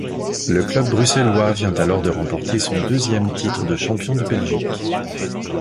Le club bruxellois vient alors de remporter son deuxième titre de champion de Belgique.